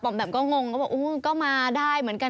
ปอมแปมก็งงก็มาได้เหมือนกัน